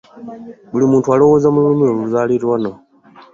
Buli muntu alowooleza mu lulimi oluzaaliranwa.